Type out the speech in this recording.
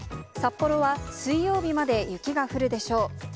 札幌は水曜日まで雪が降るでしょう。